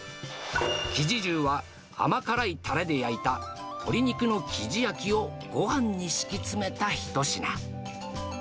きじ重は甘辛いたれで焼いた鶏肉のきじ焼きをごはんに敷き詰めた一品。